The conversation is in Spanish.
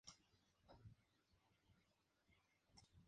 Las flores tienen un olor fuerte y desagradable.